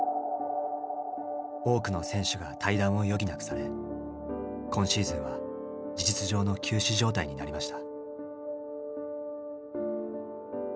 多くの選手が退団を余儀なくされ今シーズンは事実上の休止状態になりました。